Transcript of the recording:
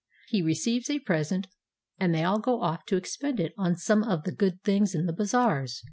He receives a present, and they all go off to expend it on some of the good things in the bazaars.